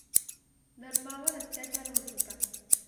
धर्मावर अत्याचार होत होता.